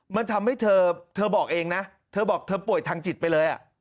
มันทำให้เธอเธอบอกเองนะเธอบอกเธอป่วยทางจิตไปเลย